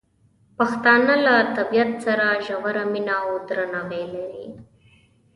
پښتانه له طبیعت سره ژوره مینه او درناوی لري.